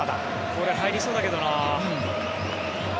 これ入りそうだけどな。